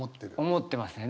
思ってますね。